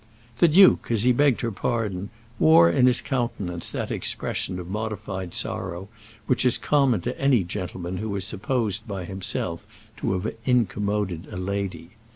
The duke, as he begged her pardon, wore in his countenance that expression of modified sorrow which is common to any gentleman who is supposed by himself to have incommoded a lady.